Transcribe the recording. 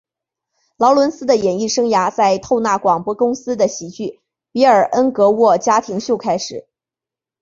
劳伦斯的演艺生涯在透纳广播公司的喜剧比尔恩格沃家庭秀开始。